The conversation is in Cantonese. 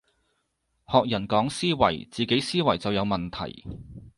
學人講思維，自己思維就有問題